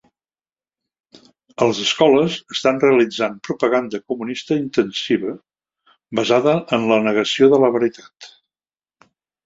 A les escoles estan realitzant propaganda comunista intensiva, basada en la negació de la veritat.